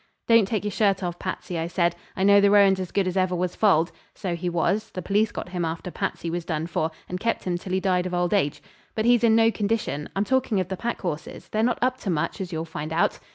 'Don't take your shirt off, Patsey,' I said. 'I know the roan's as good as ever was foaled' (so he was; the police got him after Patsey was done for, and kept him till he died of old age), 'but he's in no condition. I'm talking of the pack horses; they're not up to much, as you'll find out.'